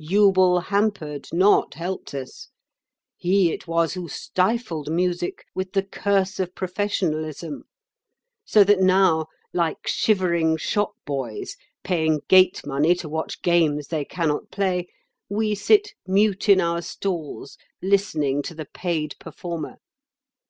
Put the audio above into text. Jubal hampered, not helped us. He it was who stifled music with the curse of professionalism; so that now, like shivering shop boys paying gate money to watch games they cannot play, we sit mute in our stalls listening to the paid performer.